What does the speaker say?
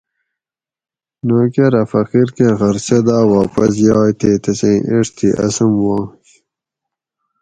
نوکر اۤ فقیر کہ خرچہ داۤ واپس یائ تے تسیں ایڄ تھی اسوم وانش